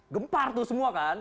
gempar tuh semua kan